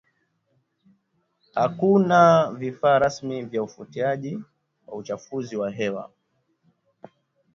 hakuna vifaa rasmi vya ufuatiaji wa uchafuzi wa hewa